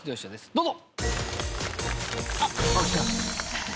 どうぞ。